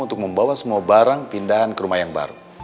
untuk membawa semua barang pindahan ke rumah yang baru